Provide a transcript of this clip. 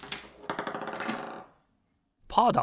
パーだ！